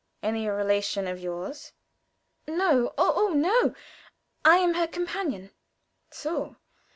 "Any relation of yours?" "No oh, no! I am her companion." "So!